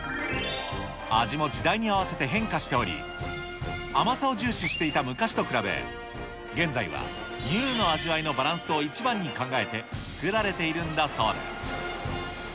味も時代に合わせて変化しており、甘さを重視していた昔と比べ、現在は乳の味わいのバランスを一番に考えて、作られているんだそうです。